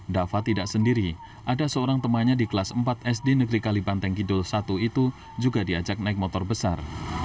dava tidak sendiri ada seorang temannya di kelas empat sd negeri kalibanteng kidul satu itu juga diajak naik motor besar